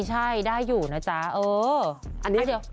ใช่ได้อยู่นะจ๊ะเออ